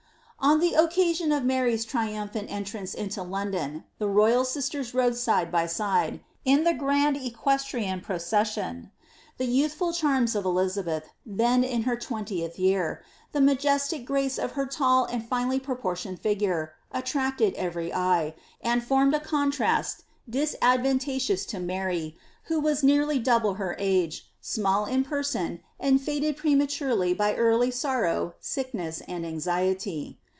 On the occasion of Mar}''s triumphant entrance into London, the royal sisters rode side by side, in the grand equestrian procession. Tlie youthful cliarms of Elizabeth, then in her twentieth year, the majestic grace of her tall and finely proportioned fi^jure, attracted every eye, and formed a contrast disadvanuigeous to Mary, who was nearly double her age, small in person, and faded prematurely by early sorrow, sickness, and anxiety.